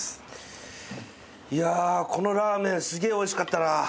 いやこのラーメンすげぇおいしかったなぁ。